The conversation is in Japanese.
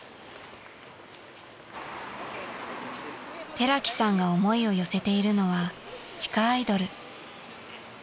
［寺木さんが思いを寄せているのは地下アイドル］